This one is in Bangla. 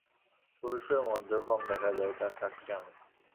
পুরুষের মধ্যেও কম দেখা যায়, তার সাক্ষী আমি।